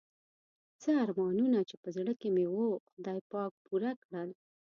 څه ارمانونه چې په زړه کې مې وو خدای پاک پوره کړل.